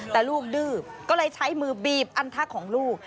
แต่ลูกดื้อก็เลยใช้มือบีบอันทะของลูก